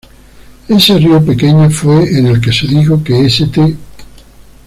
Este río pequeño fue en el que se dijo que St.